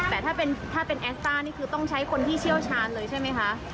แต่ถ้าเป็นแอสต้านี่คือต้องใช้คนที่เชี่ยวชาญเลยใช่ไหมคะ